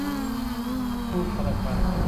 ټول خلک په حرکت کې وي.